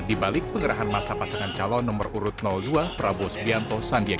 di balik pengerahan masa pasangan calon nomor urut dua prabowo subianto sandiaga u